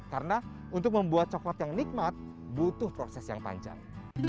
karena untuk membuat coklat yang nikmat butuh proses yang panjang